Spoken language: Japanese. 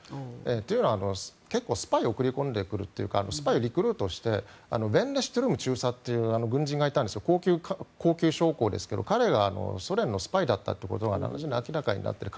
というのは結構スパイを送り込んでくるというかスパイをリクルートしてある軍人がいて高級将校ですが彼がソ連の将校だったということが明らかになっている。